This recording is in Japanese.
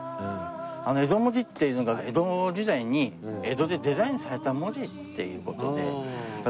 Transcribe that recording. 江戸文字っていうのが江戸時代に江戸でデザインされた文字っていう事で。